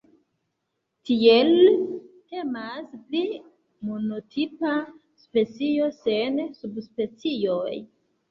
Tiele temas pri monotipa specio, sen subspecioj.